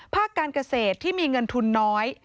ภาคการเกษตรที่มีเงินทุนน้อย